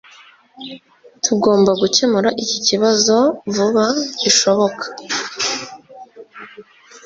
Tugomba gukemura iki kibazo vuba bishoboka.